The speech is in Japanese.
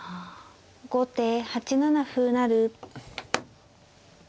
後手８七歩成。